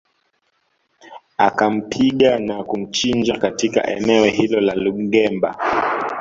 Akampiga na kumchinja katika eneo hilo la Lungemba